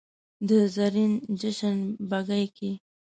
د زرین جشن بګۍ کې